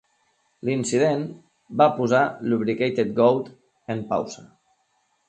L'incident va posar Lubricated Goat en pausa.